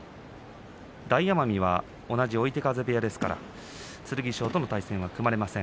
大奄美と同じ追手風ですから剣翔との対戦は組まれています。